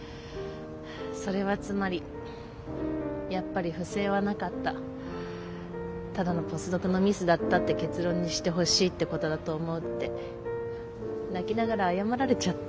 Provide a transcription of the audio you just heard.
それはつまりやっぱり不正はなかったただのポスドクのミスだったって結論にしてほしいってことだと思うって泣きながら謝られちゃった。